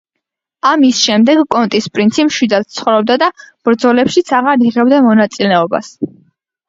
ამის შემდეგ კონტის პრინცი მშვიდად ცხოვრობდა და ბრძოლებშიც აღარ იღებდა მონაწილეობას.